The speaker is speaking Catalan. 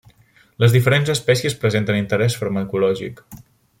Les diferents espècies presenten interès farmacològic.